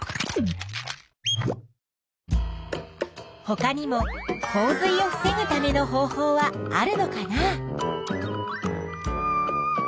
ほかにも洪水を防ぐための方法はあるのかな？